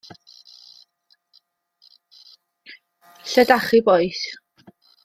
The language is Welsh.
Lle 'dach chi bois?